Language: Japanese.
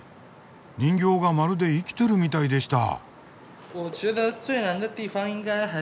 人形がまるで生きてるみたいでした。